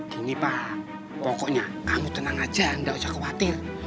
gini pak pokoknya kamu tenang aja nggak usah khawatir